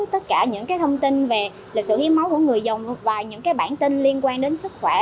tất cả những thông tin về lịch sử hiến máu của người dùng và những bản tin liên quan đến sức khỏe